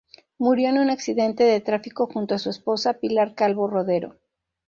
Murió en un accidente de tráfico junto a su esposa, Pilar Calvo Rodero.